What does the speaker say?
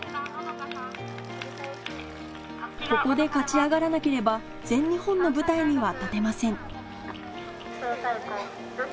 ここで勝ち上がらなければ全日本の舞台には立てません